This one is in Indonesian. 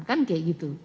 kan kayak gitu